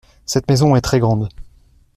Cette maison est très grande.